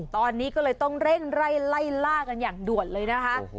ตอนนี้ก็เลยต้องเร่งไล่ล่ากันอย่างด่วน